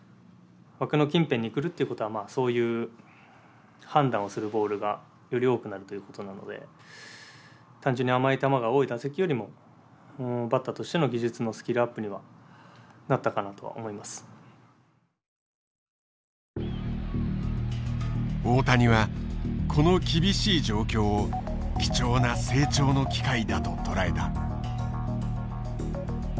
枠の近辺に来るっていうことはそういう判断をするボールがより多くなるということなので単純に甘い球が多い打席よりも大谷はこの厳しい状況を貴重な成長の機会だと捉えた。